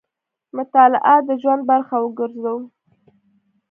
مطالعه د ژوند برخه وګرځوو.